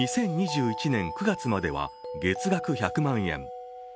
２０２１年９月までは月額１００万円。